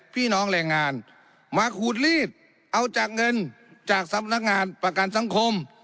พี่น้องแรงงานมาขูดลีดเอาจากเงินจากสำนักงานประกันสังคม